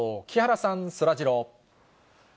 木原さん、そらジロー。